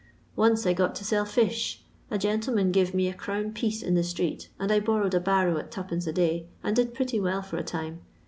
Once I got to sell fish. A gentle man give me a crown piece in the itreet, and I borrowed a barrow at 2d. a day, and did pretty well for a time.